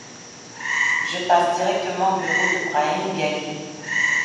Je passe directement au bureau de Brahim Ghali.